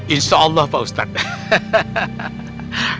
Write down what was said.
insyaallah pak ustadz